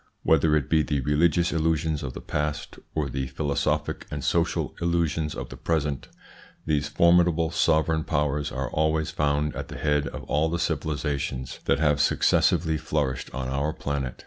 Whether it be the religious illusions of the past or the philosophic and social illusions of the present, these formidable sovereign powers are always found at the head of all the civilisations that have successively flourished on our planet.